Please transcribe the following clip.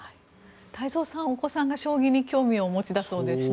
太蔵さん、お子さんが将棋に興味をお持ちだそうですね。